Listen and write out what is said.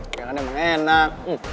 kayaknya emang enak